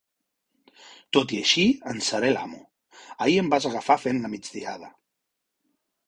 Tot i així, en seré l'amo. Ahir em vas agafar fent la migdiada.